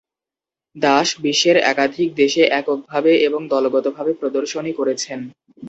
দাস বিশ্বের একাধিক দেশে এককভাবে এবং দলগতভাবে প্রদর্শনী করেছেন।